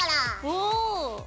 おお！